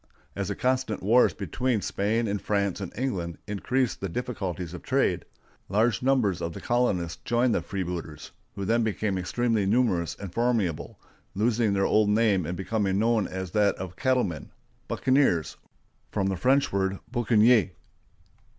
As the constant wars between Spain and France and England increased the difficulties of trade, large numbers of the colonists joined the freebooters, who then became extremely numerous and formidable, losing their old name and becoming known by that of the cattlemen—buccaneers, from the French word boucanier.